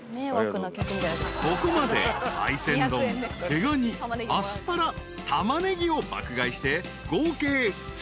［ここまで海鮮丼毛ガニアスパラタマネギを爆買いして合計１，９６０円］